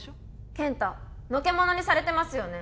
健太のけ者にされてますよね？